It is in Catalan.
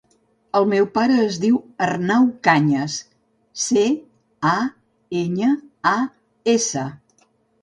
El meu pare es diu Arnau Cañas: ce, a, enya, a, essa.